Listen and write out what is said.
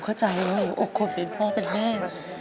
ผมเข้าใจนะโอก่นเป็นพ่อเป็นแม่